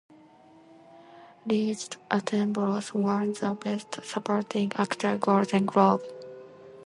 Richard Attenborough won the best supporting actor Golden Globe.